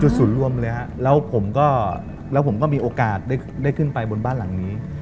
จุดศูนย์รวมเลยครับแล้วผมก็มีโอกาสได้ขึ้นไปบนบ้านหลังนี้